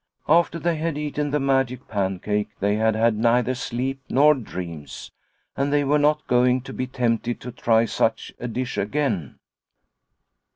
After they had eaten the magic pancake, they had had neither sleep nor dreams, and they were not going to be tempted to try such a dish again